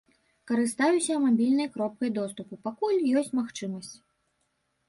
Карыстаюся мабільнай кропкай доступу, пакуль ёсць магчымасць.